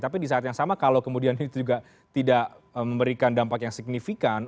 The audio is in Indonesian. tapi di saat yang sama kalau kemudian itu juga tidak memberikan dampak yang signifikan